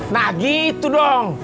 nah gitu dong